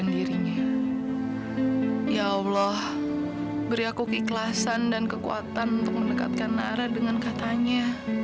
ya allah beri aku keikhlasan dan kekuatan untuk mendekatkan nara dengan katanya